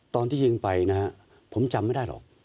ตอนที่ยิงไปนะฮะผมจำไม่ได้หรอก